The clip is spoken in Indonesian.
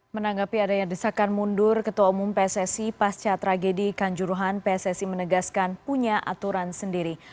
menanggapi adanya desakan mundur ketua umum pssi pasca tragedi kanjuruhan pssi menegaskan punya aturan sendiri